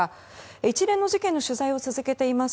一連の事件の取材を続けています